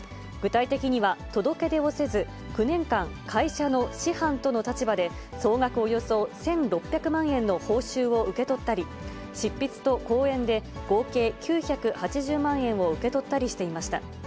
具体的には、届け出をせず、９年間、会社のしはんとの立場で、総額およそ１６００万円の報酬を受け取ったり、執筆と講演で合計９８０万円を受け取ったりしていました。